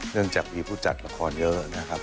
เรื่องจากมีผู้จัดละครเยอะนะครับ